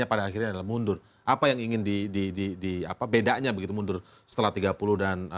penyelesaian hanya ke pr basketball